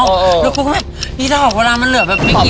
แล้วพูดมานี่ถ้าหากเวลามันเหลือแบบไม่กิน